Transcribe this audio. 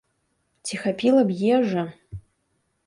Ці хапіла б ежы?